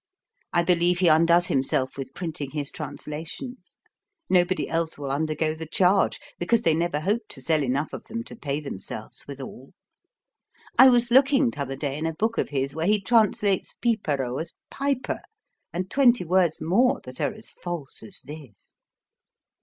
I believe he undoes himself with printing his translations. Nobody else will undergo the charge, because they never hope to sell enough of them to pay themselves withal. I was looking t'other day in a book of his where he translates Pipero as piper, and twenty words more that are as false as this.